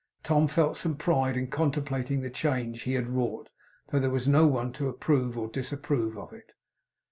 Tom felt some pride in comtemplating the change he had wrought, though there was no one to approve or disapprove of it.